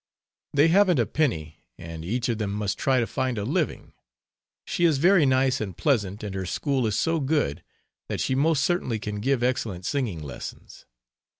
They haven't a penny and each of them must try to find a living. She is very nice and pleasant and her school is so good that she most certainly can give excellent singing lessons.